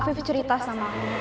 afif cerita sama aku